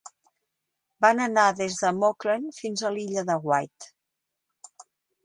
Van anar des de Mauchline fins a l'Illa de Wight.